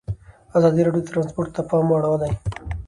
ازادي راډیو د ترانسپورټ ته پام اړولی.